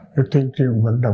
được tiên triều vận động